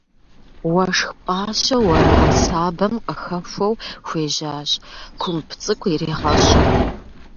Уэшх пӏащэ уэрам сабэм къыхэхуэу хуежьащ, кумб цӏыкӏу иригъэщӏу.